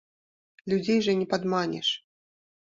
Людзей жа не падманеш.